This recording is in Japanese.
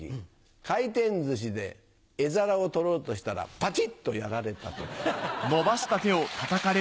回転ずしで絵皿を取ろうとしたらパチっとやられた時。